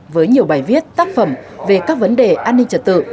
với nhiều bài viết tác phẩm về các vấn đề an ninh trật tự